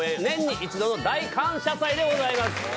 年に一度の大感謝祭でございます。